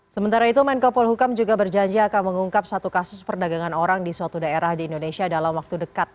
sementara itu menko polhukam juga berjanji akan mengungkap satu kasus perdagangan orang di suatu daerah di indonesia dalam waktu dekat